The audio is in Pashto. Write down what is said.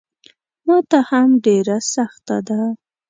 ماته هم ډېره سخته ده.